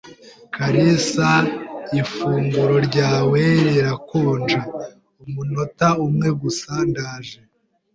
"kalisa, ifunguro ryawe rirakonja." "Umunota umwe gusa. Ndaje."